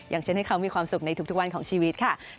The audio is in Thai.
อย่างเช่นให้เขามีความสุขในทุกวันของชีวิตค่ะ